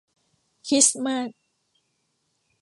คริสต์มาส